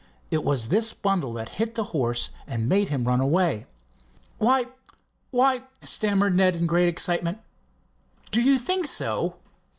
It was this bundle that hit the horse and made him run away." "Why—why—" stammered Ned in great excitement. "Do you think so?"